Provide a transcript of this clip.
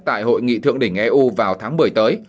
tại hội nghị thượng đỉnh eu vào tháng một mươi tới